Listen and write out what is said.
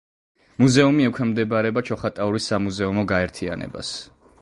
მუზეუმი ექვემდებარება ჩოხატაურის სამუზეუმო გაერთიანებას.